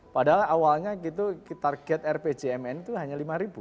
padahal awalnya target rpjmn itu hanya lima